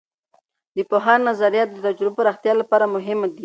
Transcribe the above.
د پوهاند نظریات د تجربو د پراختیا لپاره مهم دي.